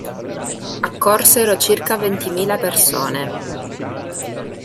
Accorsero circa ventimila persone.